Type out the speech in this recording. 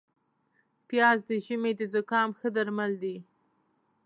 پیاز د ژمي د زکام ښه درمل دي